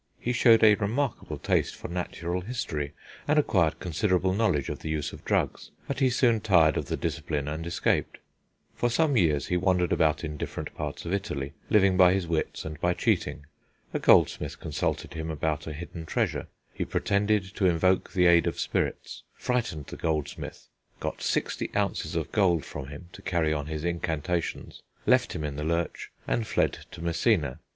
He showed a remarkable taste for natural history, and acquired considerable knowledge of the use of drugs; but he soon tired of the discipline and escaped. For some years he wandered about in different parts of Italy, living by his wits and by cheating. A goldsmith consulted him about a hidden treasure; he pretended to invoke the aid of spirits, frightened the goldsmith, got sixty ounces of gold from him to carry on his incantations, left him in the lurch, and fled to Messina.